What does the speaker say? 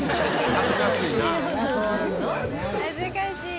恥ずかしいね。